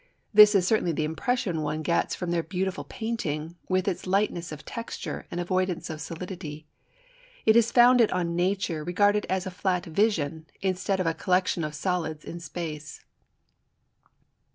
This is certainly the impression one gets from their beautiful painting, with its lightness of texture and avoidance of solidity. It is founded on nature regarded as a flat vision, instead of a collection of solids in space.